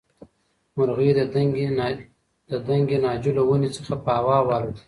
مرغۍ د دنګې ناجو له ونې څخه په هوا والوتې.